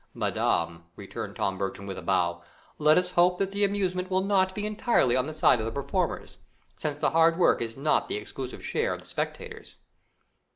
"Madam," returned Tom Bertram, with a bow, "let us hope that the amusement will not be entirely on the side of the performers, since the hard work is not the exclusive share of the spectators."